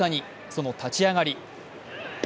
その立ち上がり。